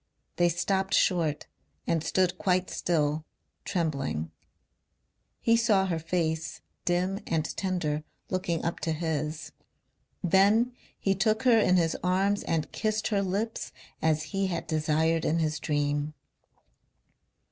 They stopped short and stood quite still, trembling. He saw her face, dim and tender, looking up to his. Then he took her in his arms and kissed her lips as he had desired in his dream....